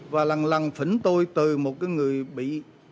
và lằn lằn phỉnh tôi từ một người bị